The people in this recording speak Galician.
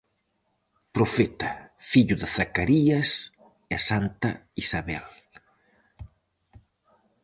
Profeta, fillo de Zacarías e santa Isabel.